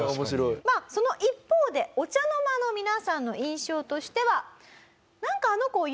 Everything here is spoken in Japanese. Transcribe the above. まあその一方でお茶の間の皆さんの印象としては。